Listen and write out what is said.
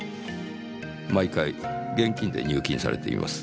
毎回現金で入金されています。